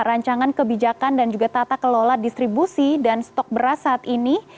rancangan kebijakan dan juga tata kelola distribusi dan stok beras saat ini